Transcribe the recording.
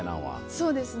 そうですね。